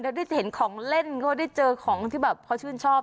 แล้วได้เห็นของเล่นก็ได้เห็นของที่พอชื่นชอบ